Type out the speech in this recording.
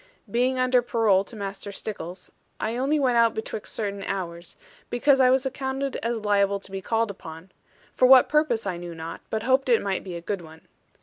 Being under parole to Master Stickles, I only went out betwixt certain hours; because I was accounted as liable to be called upon; for what purpose I knew not, but hoped it might be a good one.